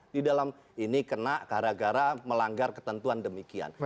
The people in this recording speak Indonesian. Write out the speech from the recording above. di dalam ini kena gara gara melanggar ketentuan demikian